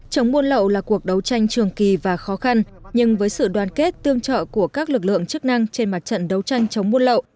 chống buôn lậu là cuộc đấu tranh trường kỳ và khó khăn nhưng với sự đoàn kết tương trợ của các lực lượng chức năng trên mặt trận đấu tranh chống buôn lậu